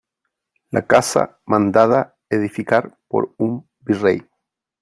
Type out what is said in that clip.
la casa , mandada edificar por un virrey ,